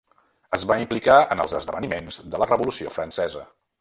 Es va implicar en els esdeveniments de la Revolució francesa.